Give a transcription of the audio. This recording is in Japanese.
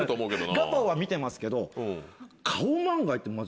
ガパオは見てますけど。